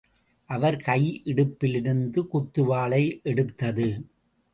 அவர் கை இடுப்பிலிருந்த குத்துவாளை எடுத்தது.